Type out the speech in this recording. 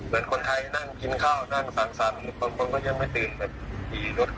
เพราะว่ารอบนอกสีรถวดติดตามถนนตามเลย